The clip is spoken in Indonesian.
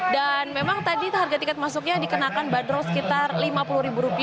dan memang tadi harga tiket masuknya dikenakan badro sekitar rp lima puluh